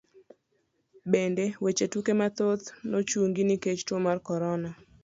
Bende, weche tuke mathoth nochungi nikech tuo mar korona.